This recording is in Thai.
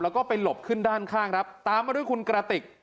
แล้วก็ไปหลบขึ้นด้านข้างครับตามมาด้วยคุณกระติก